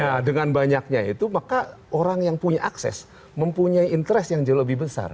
nah dengan banyaknya itu maka orang yang punya akses mempunyai interest yang jauh lebih besar